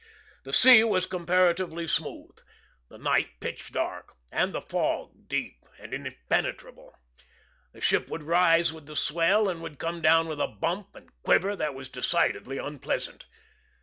The sea was comparatively smooth, the night pitch dark, and the fog deep and impenetrable; the ship would rise with the swell, and come down with a bump and quiver that was decidedly unpleasant.